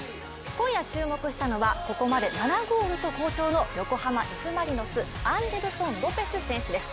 今夜注目したのはここまで７ゴールと好調の横浜Ｆ・マリノス、アンデルソン・ロペス選手です。